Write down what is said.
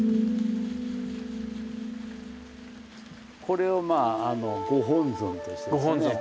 これをまあご本尊としてですね。